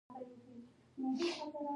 بېټ نیکه د کسي غره په لمنو کې اوسیده.